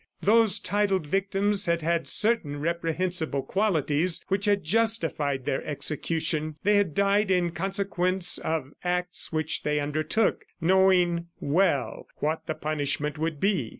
Those titled victims had had certain reprehensible qualities which had justified their execution. They had died in consequence of acts which they undertook, knowing well what the punishment would be.